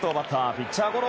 ピッチャーゴロ！